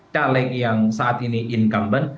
caleg yang saat ini incumbent